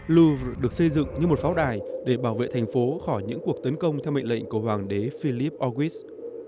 louv được xây dựng như một pháo đài để bảo vệ thành phố khỏi những cuộc tấn công theo mệnh lệnh của hoàng đế philip awis